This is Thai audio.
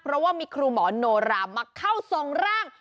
เพราะว่ามีครูหมอโนรามาเข้าทรงร่าง